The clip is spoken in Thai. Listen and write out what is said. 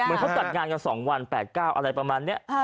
เขาจัดงานกัน๒วัน๘๙อะไรประมาณนี้